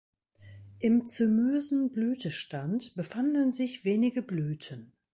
Im zymösen Blütenstand befanden sich wenige Blüten.